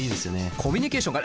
コミュニケーションが。